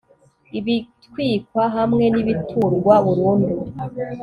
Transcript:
ibitwikwa hamwe n'ibiturwa burundu